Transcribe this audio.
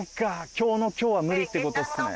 今日の今日は無理ってことっすね。